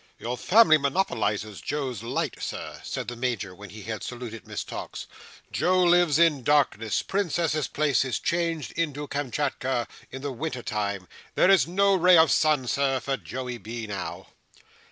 "Your family monopolises Joe's light, Sir," said the Major, when he had saluted Miss Tox. "Joe lives in darkness. Princess's Place is changed into Kamschatka in the winter time. There is no ray of sun, Sir, for Joey B., now."